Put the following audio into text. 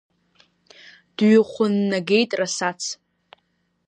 Дҩыхәыннагеит Расац.